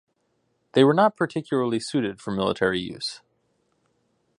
They were not particularly suited for military use.